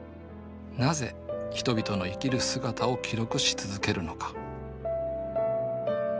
なぜ人々の生きる姿を記録し続けるのか？